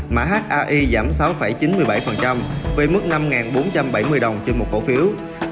mã ai giảm sáu chín mươi bảy về mức năm bốn trăm bảy mươi đồng trên một cổ phiếu